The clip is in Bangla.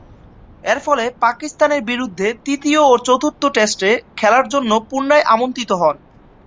এরফলে পাকিস্তানের বিরুদ্ধে তৃতীয় ও চতুর্থ টেস্টে খেলার জন্য পুনরায় আমন্ত্রিত হন।